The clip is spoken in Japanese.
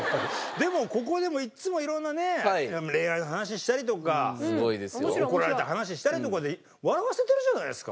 でもここでもいっつも色んなね恋愛の話したりとか怒られた話したりとかで笑わせてるじゃないですか。